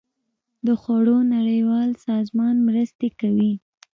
د خوړو نړیوال سازمان مرستې کوي